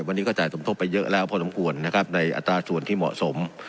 วันนี้ก็จ่ายสมทบไปเยอะแล้วพอสมควรนะครับในอัตราส่วนที่เหมาะสม